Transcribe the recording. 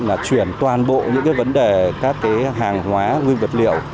là chuyển toàn bộ những cái vấn đề các cái hàng hóa nguyên vật liệu